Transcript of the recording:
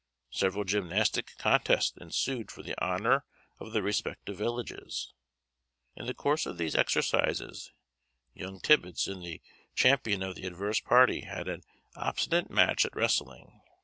Several gymnastic contests ensued for the honour of the respective villages. In the course of these exercises, young Tibbets and the champion of the adverse party had an obstinate match at wrestling.